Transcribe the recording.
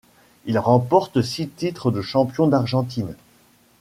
Il remporte six titres de champions d'Argentine.